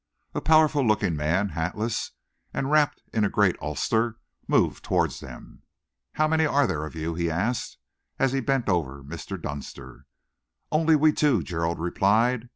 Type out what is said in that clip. A powerful looking man, hatless, and wrapped in a great ulster, moved towards them. "How many are there of you?" he asked, as he bent over Mr. Dunster. "Only we two," Gerald replied.